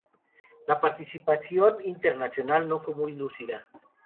La participación internacional no fue muy lucida.